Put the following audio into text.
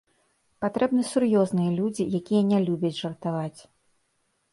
Патрэбны сур'ёзныя людзі, якія не любяць жартаваць.